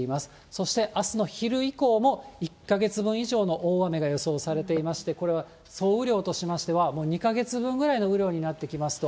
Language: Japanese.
そしてあすの昼以降も、１か月分以上の大雨が予想されていまして、これは総雨量としましては、もう２か月分ぐらいの雨量になってきますと。